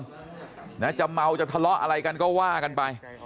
ไปอยู่กับขัวเหมือนเดิมจะเมาจะทะเลาะอะไรกันก็ว่ากันไป